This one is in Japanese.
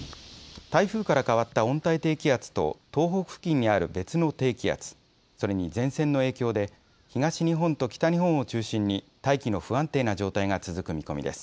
台風から変わった温帯低気圧と東北付近にある別の低気圧、それに前線の影響で東日本と北日本を中心に大気の不安定な状態が続く見込みです。